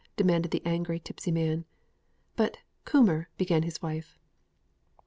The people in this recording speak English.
demanded the angry, tipsy man. "But, Coomber," began his wife.